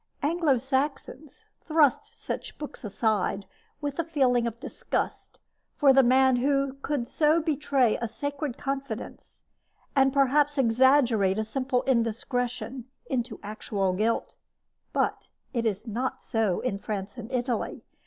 Anglo Saxons thrust such books aside with a feeling of disgust for the man who could so betray a sacred confidence and perhaps exaggerate a simple indiscretion into actual guilt. But it is not so in France and Italy.